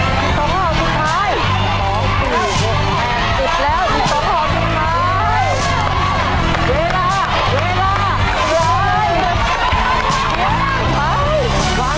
สุดท้าย